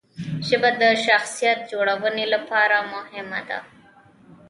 ژبه د شخصیت جوړونې لپاره مهمه ده.